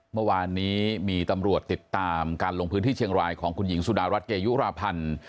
เมื่อวานนี้มีตำรวจติดตามการลงพื้นที่เชียงรายของคุณหญิงสุดารัฐเกยุราพันธ์